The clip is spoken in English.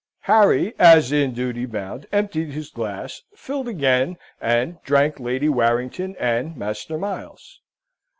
Harry, as in duty bound, emptied his glass, filled again, and drank Lady Warrington and Master Miles.